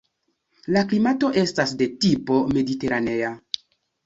La klimato estas de tipo mediteranea.